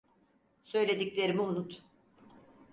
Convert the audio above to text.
Söylediklerimi unut.